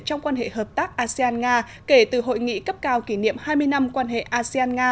trong quan hệ hợp tác asean nga kể từ hội nghị cấp cao kỷ niệm hai mươi năm quan hệ asean nga